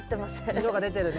色が出てるね。